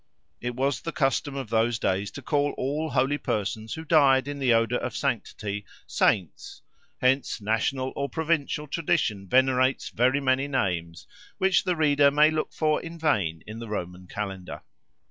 It was the custom of those days to call all holy persons who died in the odour of sanctity, Saints, hence national or provincial tradition venerates very many names, which the reader may look for in vain, in the Roman calendar.